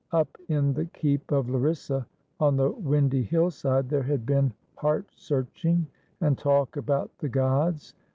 Up in the keep of Larissa, on the windy hillside, there had been heart searching and talk about the gods.